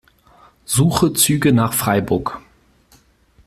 Suche Züge nach Freiburg.